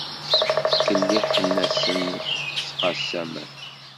Ttkelliḥen-asen s “qassaman”.